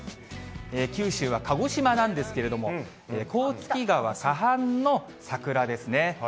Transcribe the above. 九州は鹿児島なんですけれども、甲突川河畔の桜ですね。